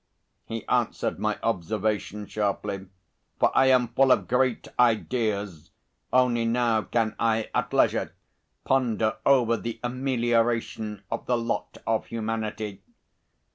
he answered my observation sharply, "for I am full of great ideas, only now can I at leisure ponder over the amelioration of the lot of humanity.